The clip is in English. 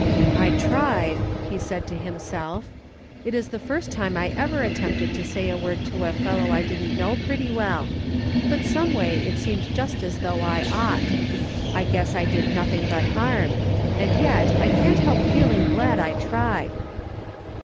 " I tried," he said to himself. " It is the first time I ever attempted to say a word to a fellow I didn't know pretty well ; but someway it seemed just as though I ought. I guess I did nothing but , harm ; and yet I can't help feeling glad that I tried."